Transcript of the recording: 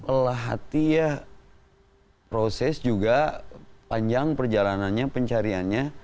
olah hati ya proses juga panjang perjalanannya pencariannya